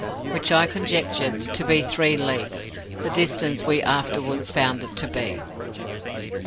which I conjectured to be three leagues; the distance we afterwards found it to be.